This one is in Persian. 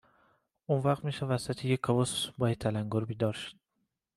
اونوقت میشد وسط یه کابوس با یه تلنگر بیدار شد